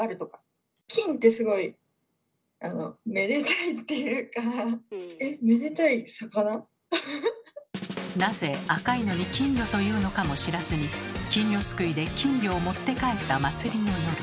そんなのなぜ赤いのに「金魚」というのかも知らずに金魚すくいで金魚を持って帰った祭りの夜。